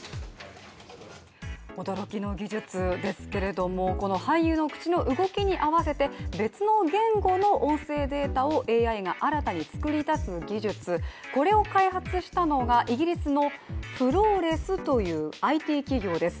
驚きの技術ですけれどもこの俳優の口の動きに合わせて別の言語の音声データをＡＩが新たに作り出す技術、これを開発したのがイギリスのフローレスというＩＴ企業です。